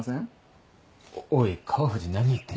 おい川藤何言ってんだよ。